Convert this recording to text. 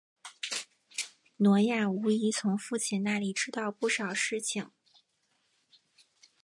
挪亚无疑从父亲那里知道不少事情。